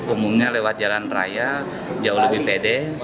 umumnya lewat jalan raya jauh lebih pede